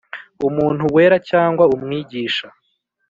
umuntu wera cyangwa umwigisha